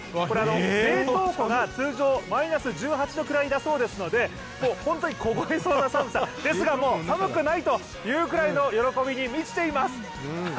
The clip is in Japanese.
これは冷凍庫が通常、マイナス１８度くらいだそうですので、本当に凍えそうな寒さですが、寒くないというくらいの喜びに満ちています。